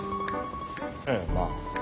ええまあ。